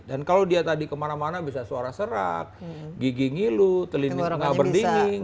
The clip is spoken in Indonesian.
dan kalau dia tadi kemana mana bisa suara serak gigi ngilu telit nggak berdingin